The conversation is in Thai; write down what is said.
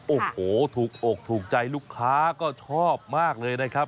โอ้โหถูกอกถูกใจลูกค้าก็ชอบมากเลยนะครับ